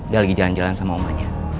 dia lagi jalan jalan sama ombaknya